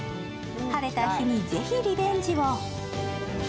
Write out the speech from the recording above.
晴れた日にぜひリベンジを。